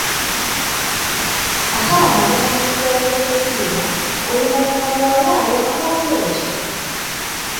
Atawa mabugo mu kiseera ky'okufiirwa, oluvannyuma bwawaayo, awaayo ki?